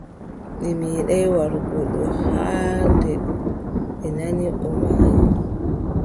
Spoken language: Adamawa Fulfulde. Ɓe meeɗaay warugo ɗo haa nde ɓe nani o maayi.